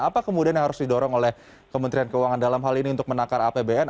apa kemudian yang harus didorong oleh kementerian keuangan dalam hal ini untuk menakar apbn